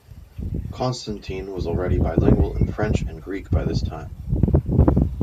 Constantin was already bilingual in French and Greek by this time.